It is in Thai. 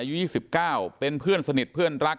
อายุ๒๙เป็นเพื่อนสนิทเพื่อนรัก